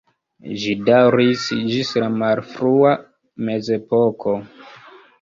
Ĝi daŭris ĝis la malfrua mezepoko.